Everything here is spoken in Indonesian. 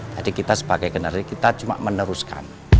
jadi kita sebagai generasi kita cuma meneruskan